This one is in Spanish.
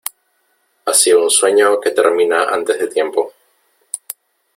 Hacia un sueño que termina antes de tiempo